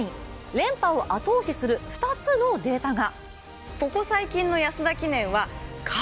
連覇を後押しする２つのデータが。